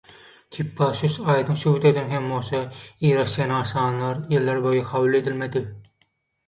Hippasus aýdyň subut eden hem bolsa irrasional sanlar ýyllar boýy kabul edilmedi.